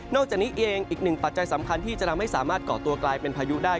จากนี้เองอีกหนึ่งปัจจัยสำคัญที่จะทำให้สามารถก่อตัวกลายเป็นพายุได้